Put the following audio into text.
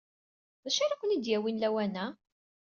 D acu ara ken-id-yawin lawan-a?